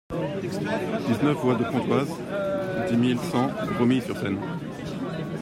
dix-neuf voie de Pontoise, dix mille cent Romilly-sur-Seine